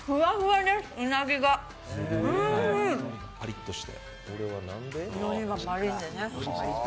パリっとして。